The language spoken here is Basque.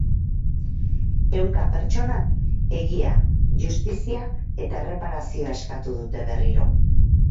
Ehunka pertsonak egia, justizia eta erreparazioa eskatu dute berriro.